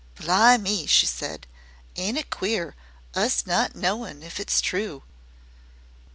"Blimme," she said. "Ain't it queer, us not knowin' IF IT'S TRUE."